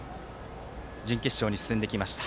準決勝に進んできました。